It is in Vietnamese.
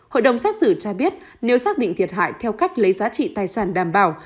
hội đồng xét xử cho biết nếu xác định thiệt hại theo cách lấy giá trị tài sản đảm bảo